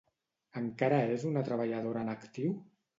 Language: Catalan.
Encara és una treballadora en actiu?